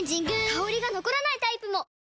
香りが残らないタイプも！